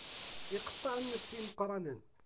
Iqeṭṭeɛ nnefs i yimeqqranen.